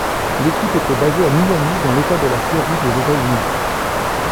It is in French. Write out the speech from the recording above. L'équipe était basée à Miami dans l'État de la Floride aux États-Unis.